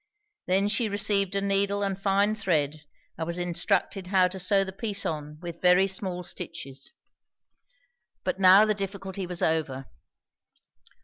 Then she received a needle and fine thread and was instructed how to sew the piece on with very small stitches. But now the difficulty was over.